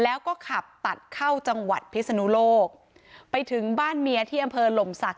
แล้วก็ขับตัดเข้าจังหวัดพิศนุโลกไปถึงบ้านเมียที่อำเภอหล่มศักดิ